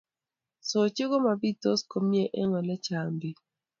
Sochik ko mapitos komie eng' ole chang' peek